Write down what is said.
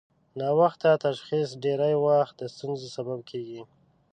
ناوخته تشخیص ډېری وخت د ستونزو سبب کېږي.